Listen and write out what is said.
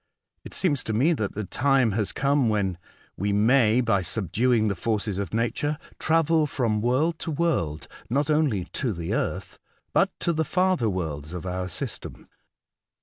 It seems to me that the time has come when we may, by subduing the forces of nature, travel from world to world; not only to the earth, but to the farther worlds of our system.